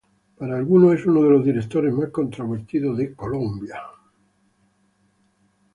Para algunos es uno de los directores más controvertidos de Colombia.